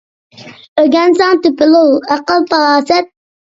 ئۆگەنسەڭ تېپىلۇر ئەقىل - پاراسەت .